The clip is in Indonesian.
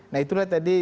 nah itulah tadi